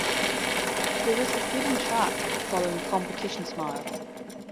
There is a hidden track following "Competition Smile".